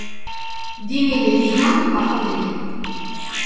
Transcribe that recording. Dîn e lê dînan baqil dike